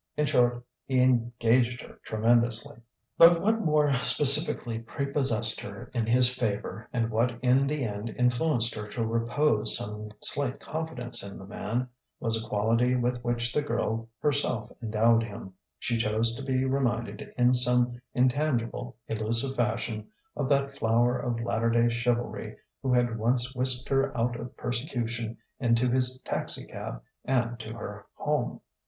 In short, he engaged her tremendously. But what more specifically prepossessed her in his favour, and what in the end influenced her to repose some slight confidence in the man, was a quality with which the girl herself endowed him: she chose to be reminded in some intangible, elusive fashion, of that flower of latter day chivalry who had once whisked her out of persecution into his taxicab and to her home.